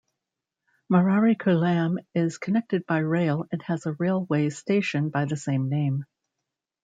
Mararikulam is connected by rail and has a railway station by the same name.